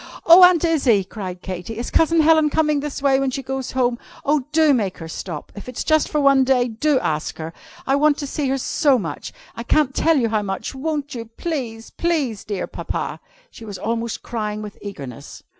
"Oh, Aunt Izzie!" cried Katy, "is Cousin Helen coming this way when she goes home? Oh! do make her stop. If it's just for one day, do ask her! I want to see her so much! I can't tell you how much! Won't you? Please! Please, dear Papa!" She was almost crying with eagerness.